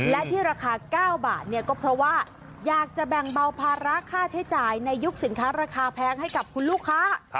และที่ราคา๙บาทเนี่ยก็เพราะว่าอยากจะแบ่งเบาภาระค่าใช้จ่ายในยุคสินค้าราคาแพงให้กับคุณลูกค้า